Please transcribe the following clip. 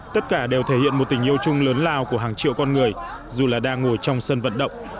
tất cả đều thể hiện một tình yêu chung lớn lao của hàng triệu con người dù là đang ngồi trong sân vận động